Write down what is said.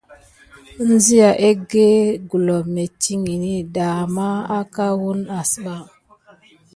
Ənzia egge gulom mettiŋgini daha mà aka wune asba.